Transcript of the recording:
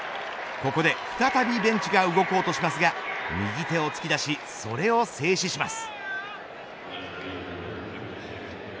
ここで再びベンチが動こうとしますが右手を突き出しそれを制止します。